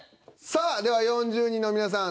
さあでは４０人の皆さん